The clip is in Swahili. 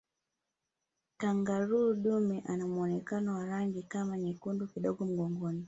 kangaroo dume anamuonekano wa rangi kama nyekundu kidogo mgongoni